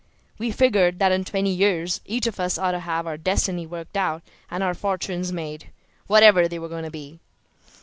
We figured that in twenty years each of us ought to have our destiny worked out and our fortunes made, whatever they were going to be."